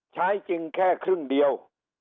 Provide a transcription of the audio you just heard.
ใช้จริงแค่ครึ่งเดียว